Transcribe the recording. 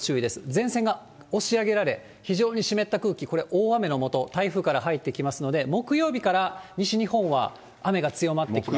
前線が押し上げられ、非常に湿った空気、これ、大雨のもと、台風から入ってきますので、木曜日から西日本は雨が強まってきます。